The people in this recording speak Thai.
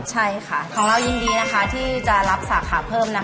ใช่ค่ะของเรายินดีที่จะรับสาขาเพิ่ม